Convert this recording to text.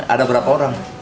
ada berapa orang